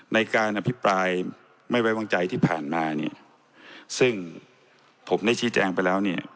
ในการอภิปรายไม่ไว้วางใจที่ผ่านมาเนี่ยซึ่งผมได้ชี้แจงไปแล้วเนี่ย